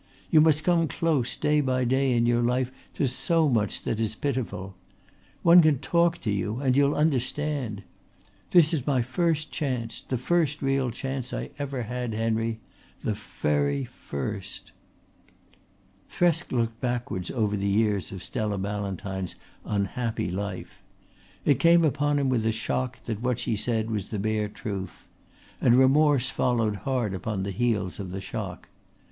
You must come close day by day in your life to so much that is pitiful. One can talk to you and you'll understand. This is my first chance, the first real chance I have ever had, Henry, the very first." Thresk looked backwards over the years of Stella Ballantyne's unhappy life. It came upon him with a shock that what she said was the bare truth; and remorse followed hard upon the heels of the shock.